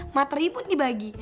materi pun dibagi